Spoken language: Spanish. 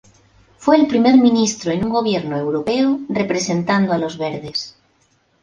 Fue el primer ministro en un gobierno europeo representando a los verdes.